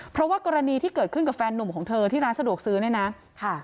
เพราะว่ากรณีที่เกิดขึ้นกับแฟนนุ่มของเธอที่ร้านสะดวกซื้อเนี่ยนะค่ะ